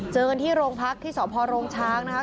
เจอกันที่โรงพักที่สพโรงช้างนะครับ